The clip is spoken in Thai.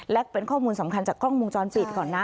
และเป็นข้อมูลสำคัญจากกล้องวงจรปิดก่อนนะ